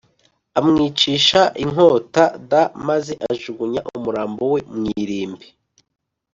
Amwicisha inkota d maze ajugunya umurambo we mu irimbi